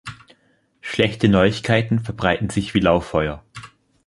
Schlechte Neuigkeiten verbreiten sich wie Lauffeuer.